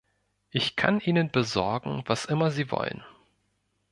Ich kann Ihnen besorgen, was immer Sie wollen.